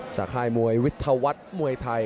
ซาก้ายวิทวัตมวยไทย